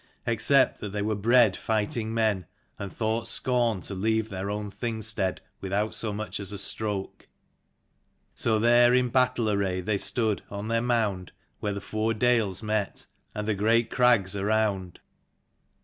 except that they were bred fighting men, and thought scorn to leave their own Thing stead without so much as a stroke. So there in battle array they stood, on their mound where the four dales met, and the great crags around.